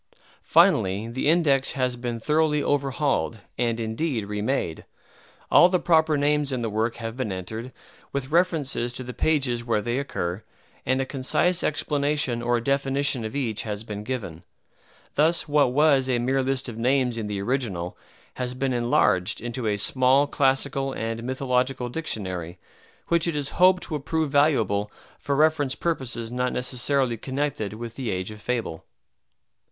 Finally, the index has been thoroughly overhauled and, indeed, remade. All the proper names in the work have been entered, with references to the pages where they occur, and a concise explanation or definition of each has been given. Thus what was a mere list of names in the original has been enlarged into a small classical and mythological dictionary, which it is hoped will prove valuable for reference purposes not necessarily connected with "The Age of Fable."